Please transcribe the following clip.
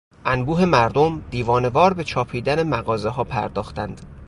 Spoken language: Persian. انبوه مردم دیوانه وار به چاپیدن مغازهها پرداختند.